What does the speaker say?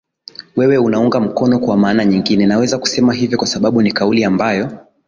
wewe unaunga mkono kwa maana nyingine naweza kusema hivyo kwa sababu ni kauli ambayo